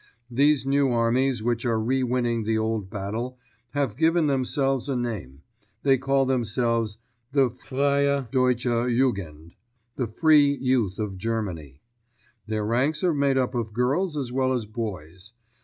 These new armies which are re winning the old battle Have given themselves a name; they call themselves the Freie Deutsche Jugend—the Free Youth of Germany. Their ranks are made up of girls as well as boys.